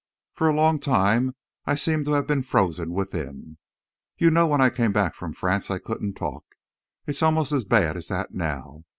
For a long time I seem to have been frozen within. You know when I came back from France I couldn't talk. It's almost as bad as that now.